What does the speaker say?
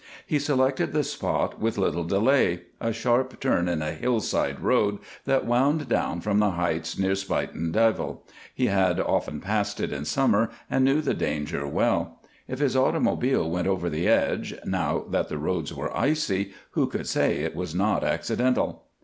He selected the spot with little delay a sharp turn in a hillside road that wound down from the heights near Spuyten Duyvil he had often passed it in summer and knew the danger well. If his automobile went over the edge, now that the roads were icy, who could say it was not accidental?